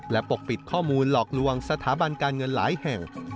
และปกปิดข้อมูลหลอกลวงสถาบันการเงินหลายแห่ง